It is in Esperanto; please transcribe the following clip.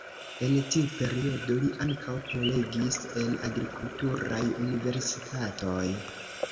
En tiu periodo li ankaŭ prelegis en agrikulturaj universitatoj.